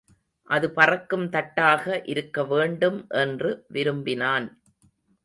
அது பறக்கும் தட்டாக இருக்கவேண்டும் என்று விரும்பினான்.